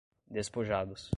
despojados